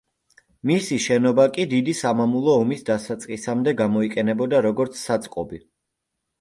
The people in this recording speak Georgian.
მისი შენობა კი დიდი სამამულო ომის დასაწყისამდე გამოიყენებოდა როგორც საწყობი.